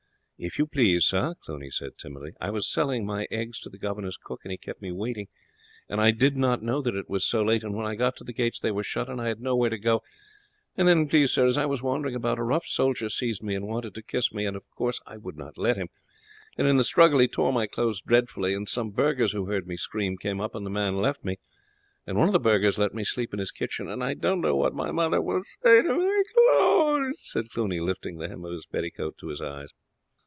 "If you please, sir," Cluny said timidly, "I was selling my eggs to the governor's cook, and he kept me waiting, and I did not know that it was so late, and when I got to the gates they were shut, and I had nowhere to go; and then, please sir, as I was wandering about a rough soldier seized me and wanted to kiss me, and of course I would not let him, and in the struggle he tore my clothes dreadfully; and some burghers, who heard me scream, came up and the man left me, and one of the burghers let me sleep in his kitchen, and I don't know what mother will say to my clothes;" and Cluny lifted the hem of his petticoat to his eyes.